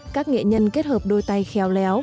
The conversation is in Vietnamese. các nghệ nhân kết hợp đôi tay khéo léo